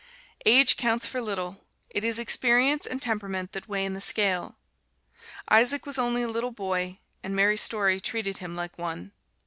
Age counts for little it is experience and temperament that weigh in the scale. Isaac was only a little boy, and Mary Story treated him like one.